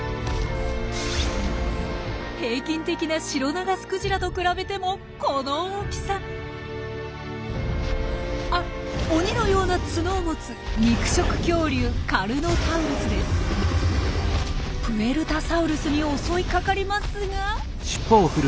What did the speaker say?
平均的なシロナガスクジラと比べてもこの大きさ！あ鬼のような角を持つ肉食恐竜プエルタサウルスに襲いかかりますが。